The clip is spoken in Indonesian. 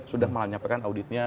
sudah malah menyampaikan auditnya